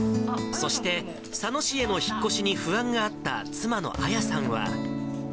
そして、佐野市への引っ越しに不安があった妻の亜矢さんは。